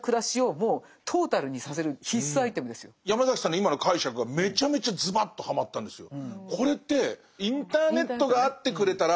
だからヤマザキさんの今の解釈がめちゃめちゃズバッとはまったんですよ。